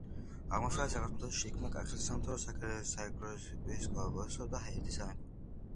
აღმოსავლეთ საქართველოში შეიქმნა კახეთის სამთავრო საქორეპისკოპოსო და ჰერეთის სამეფო